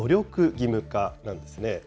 義務化なんですね。